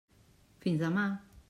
Fins demà!